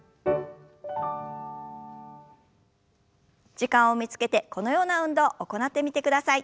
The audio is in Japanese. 時間を見つけてこのような運動を行ってみてください。